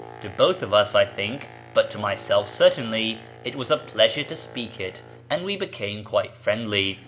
To both of us, I think, but to myself certainly, it was a pleasure to speak it, and we became quite friendly.